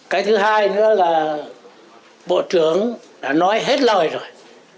cái thứ hai nữa là bộ trưởng đã nói hết lời rồi